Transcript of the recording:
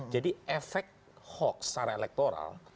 efek hoax secara elektoral